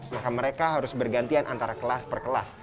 maka mereka harus bergantian antara kelas per kelas